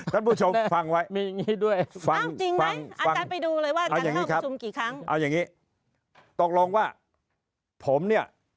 ท่านผู้ชมฟังไว้